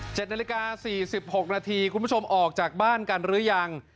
นาฬิกาสี่สิบหกนาทีคุณผู้ชมออกจากบ้านกันหรือยัง